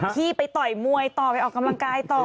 ที่ไปต่อยมวยต่อไปออกกำลังกายต่อ